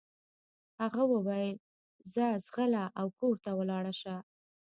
هغه وويل ځه ځغله او کور ته ولاړه شه.